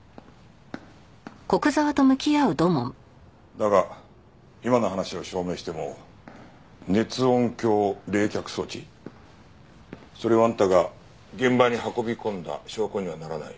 だが今の話を証明しても熱音響冷却装置それをあんたが現場に運び込んだ証拠にはならない。